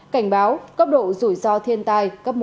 cảnh báo cấp độ rủi ro thiên tai cấp một